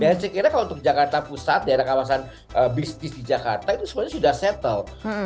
biasanya kalau untuk jakarta pusat diadaan kawasan bisnis di jakarta itu semuanya sudah selesai